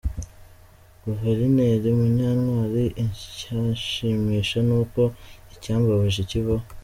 Guverineri Munyantwali: Icyanshimisha n’uko icyambabaje kivaho.